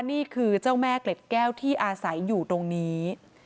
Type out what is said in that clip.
นี่คือเจ้าแม่เกล็ดแก้วที่อาศัยอยู่ตรงนี้